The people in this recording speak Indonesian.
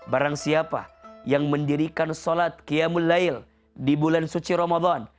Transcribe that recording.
barang siapa yang mendirikan sholat qiyamulail di bulan suci ramadan